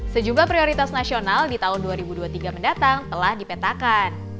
sejumlah prioritas nasional di tahun dua ribu dua puluh tiga mendatang telah dipetakan